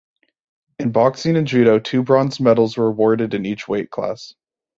In boxing and judo two bronze medals were awarded in each weight class.